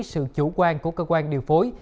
sự chủ quan của cơ quan điều phối